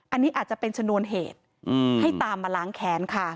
อันนี้อาจจะเป็นชนวนเหตุให้ตามมาล้างแขนค่ะ